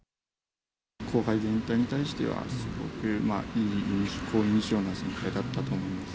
後輩全体に対しては、すごくいい、好印象の先輩だったと思います。